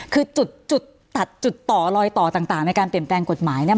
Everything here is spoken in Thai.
คือจุดตัดจุดต่อรอยต่อต่างในการเปลี่ยนแปลงกฎหมายเนี่ย